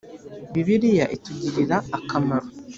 bibiliya itugirira akamaro.